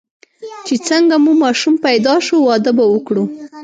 چې څنګه مو ماشوم پیدا شو، واده به وکړو.